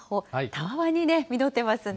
たわわに実ってますね。